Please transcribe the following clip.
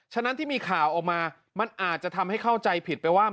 ฉะนั้นที่มีข่าวออกมามันอาจจะทำให้เข้าใจผิดไปว่า